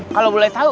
kalau boleh tau